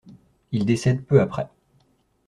Il décède peu après.